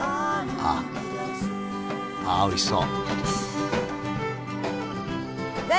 ああおいしそう。